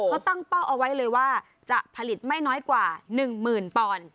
เขาตั้งเป้าเอาไว้เลยว่าจะผลิตไม่น้อยกว่า๑หมื่นปอนด์